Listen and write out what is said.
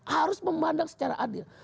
harus memandang secara adil